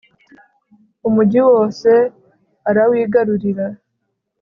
umugi wose arawigarurira